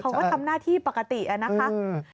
เขาก็ทำหน้าที่ปกติอะนะคะ